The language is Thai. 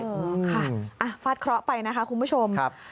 ค่ะฟาดเคราะห์ไปนะคะคุณผู้ชม